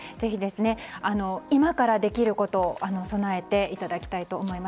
ぜひ今からできること備えていただきたいと思います。